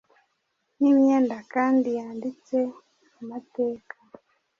n'imyenda kandi yanditse amateka